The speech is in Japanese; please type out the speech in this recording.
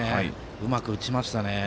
うまく打ちましたね。